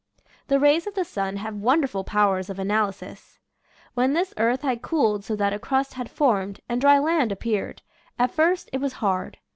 The rays of the sun have wonderful powers of analysis. When this earth had cooled so that a crust had formed, and dry land appeared, at first it was hard.